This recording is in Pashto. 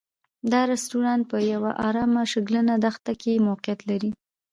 دا رسټورانټ په یوه ارامه شګلنه دښته کې موقعیت لري.